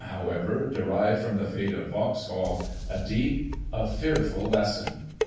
[1841 ever, derive from the fate of Vauxhall a deep, a fearful lesson !